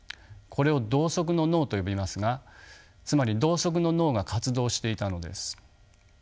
これを「同側の脳」と呼びますがつまり同側の脳が活動していたのです。